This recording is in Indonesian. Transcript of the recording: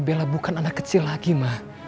bella bukan anak kecil lagi mah